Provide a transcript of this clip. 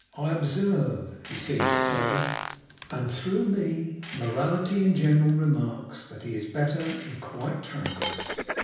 'I observe,' he seemed to say, 'and through me, morality in general remarks, that he is better and quite tranquil.